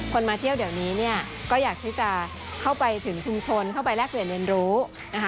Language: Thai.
มาเที่ยวเดี๋ยวนี้เนี่ยก็อยากที่จะเข้าไปถึงชุมชนเข้าไปแลกเปลี่ยนเรียนรู้นะคะ